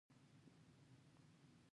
بست کلا د کوم سیند په غاړه ده؟